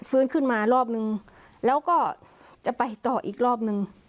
ฟื้นขึ้นมารอบนึงแล้วก็จะไปต่ออีกรอบนึง